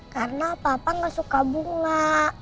karena papa gak suka bunga